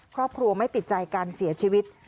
ครอบครัวไม่ติดใจการเสียชีวิต